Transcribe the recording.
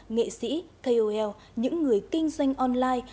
nghệ sĩ kol những người kinh doanh online